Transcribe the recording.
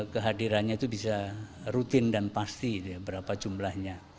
kehadirannya itu bisa rutin dan pasti berapa jumlahnya